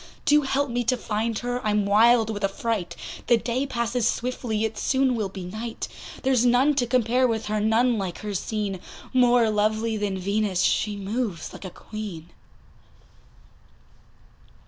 Do help me to find her, I'm wild with affright, The day passes swiftly, it soon will be night; There's none to compare with her, none like her seen, More lovely than Venus, she moves like a Queen.